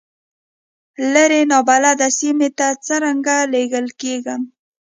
لرې نابلده سیمې ته څنګه لېږل کېږم.